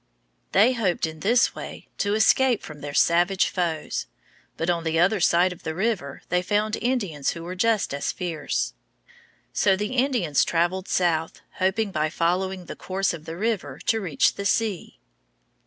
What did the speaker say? They hoped in this way to escape from their savage foes; but on the other side of the river they found Indians who were just as fierce. So the Spaniards traveled south, hoping by following the course of the river to reach the sea.